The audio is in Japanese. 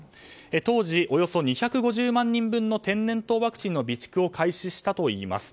当時およそ２５０万人分の天然痘ワクチンの備蓄を開始したといいます。